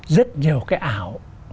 rất nhiều cái ảo